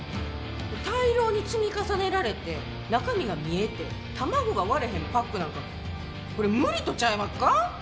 大量に積み重ねられて中身が見えて卵が割れへんパックなんかこれ無理とちゃいまっか？